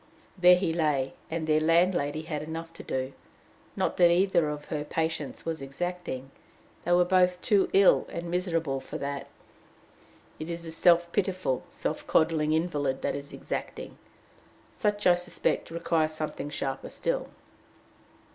There he lay, and their landlady had enough to do. Not that either of her patients was exacting; they were both too ill and miserable for that. It is the self pitiful, self coddling invalid that is exacting. Such, I suspect, require something sharper still.